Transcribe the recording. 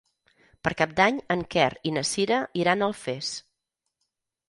Per Cap d'Any en Quer i na Sira iran a Alfés.